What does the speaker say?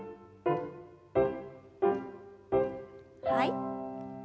はい。